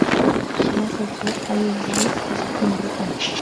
Más al sur hay el río Usk en Brecon.